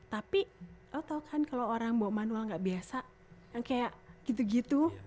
tapi lo tau kan kalau orang bawa manual gak biasa yang kayak gitu gitu